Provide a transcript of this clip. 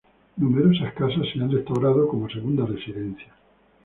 Numerosas casas se han restaurado como segunda residencia.